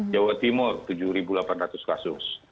jawa timur tujuh delapan ratus kasus